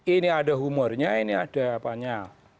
ini ada humornya ini ada apanya